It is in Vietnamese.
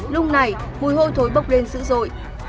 lúc này mùi hôi thối bốc lên dữ dội